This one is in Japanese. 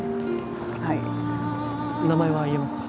はい名前は言えますか？